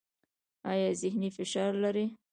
ایا ذهني فشار لرئ؟